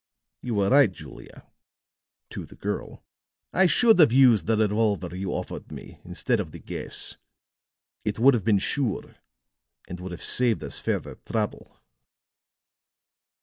You were right, Julia," to the girl; "I should have used the revolver you offered me instead of the gas. It would have been sure, and would have saved us further trouble."